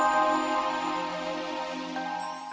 ih terus kamu ngapain kesini